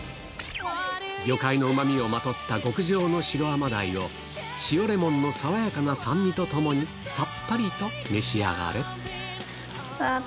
魚介のうまみをまとった極上の白甘鯛を、塩レモンの爽やかな酸味とともにさっぱりと召し上がれ。